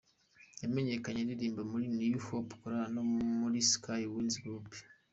Yamenyekanye aririmba muri New Hope Choir no muri Sky Winds Group.